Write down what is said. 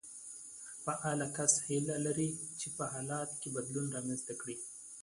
فعال کس هيله لري چې په حالت کې بدلون رامنځته کړي.